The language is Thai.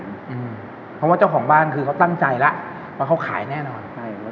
เพราะว่าเจ้าของบ้านคือเขาตั้งใจแล้วว่าเขาขายแน่นอน